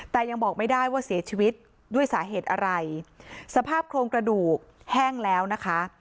แต่ยังบอกไม่ได้ว่าเสียชีวิตด้วยสาเหตุอะไรสภาพโครงกระดูกแห้งแล้วนะคะ